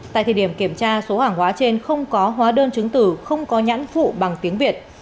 tại thời điểm kiểm tra số hàng hóa trên không có hóa đơn chứng tử không có nhãn phụ bằng tiếng việt